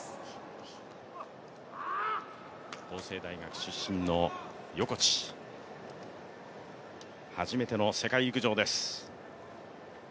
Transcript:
法政大学出身の横地、初めての世界陸上です。